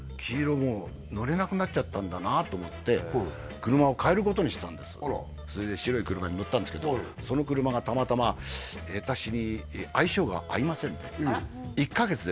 もう乗れなくなっちゃったんだなと思ってそれで白い車に乗ったんですけどその車がたまたま私に相性が合いませんで何ですか？